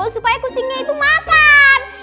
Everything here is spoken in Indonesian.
supaya kucingnya itu makan